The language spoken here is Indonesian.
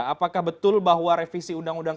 apakah betul bahwa revisi undang undang